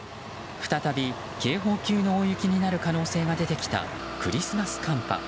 再び警報級の大雪になる可能性が出てきたクリスマス寒波。